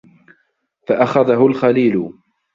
فَأَخَذَهُ الْخَلِيلُ